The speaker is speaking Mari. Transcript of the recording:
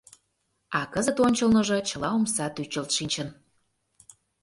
А кызыт ончылныжо чыла омса тӱчылт шинчын.